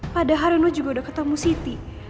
padahal juga udah ketemu siti